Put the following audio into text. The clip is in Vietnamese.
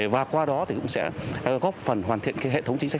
và qua đó thì cũng sẽ góp phần hoàn thiện hệ thống chính sách